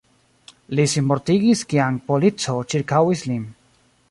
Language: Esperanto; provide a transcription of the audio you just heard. Li sinmortigis kiam polico ĉirkaŭis lin.